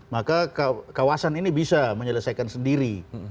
maka kawasan ini bisa menyelesaikan sendiri